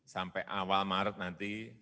sampai awal maret nanti